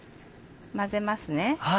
混ぜますね。